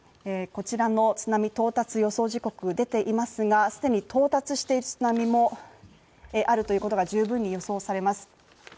こちらの津波到達予想時刻でていますが既に到達している津波もあるということが十分に予想されます。